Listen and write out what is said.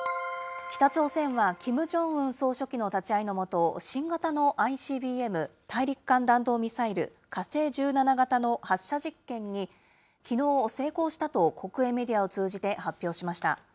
北朝鮮はキム・ジョンウン総書記の立ち会いの下、新型のＩＣＢＭ・大陸間弾道ミサイル、火星１７型の発射実験にきのう、成功したと国営メディアを通じて発表しました。